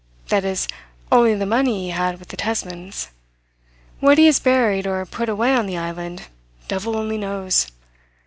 That is, only the money he had with the Tesmans. What he has buried or put away on the island, devil only knows.